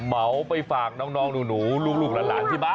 เหมาไปฝากน้องหนูลูกหลานที่บ้าน